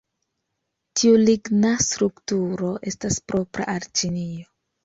Tiu ligna strukturo estas propra al Ĉinio.